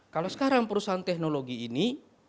kalau sekarang perusahaan teknologi ini